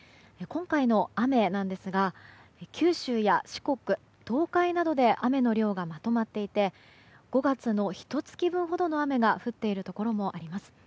今回の雨なんですが九州や四国、東海などで雨の量がまとまっていて５月のひと月分ほどの雨が降っているところもあります。